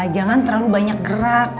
jangan terlalu banyak gerak